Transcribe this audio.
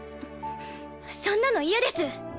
そんなの嫌です！